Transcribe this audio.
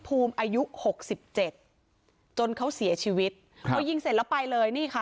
ภูมิอายุหกสิบเจ็ดจนเขาเสียชีวิตครับพอยิงเสร็จแล้วไปเลยนี่ค่ะ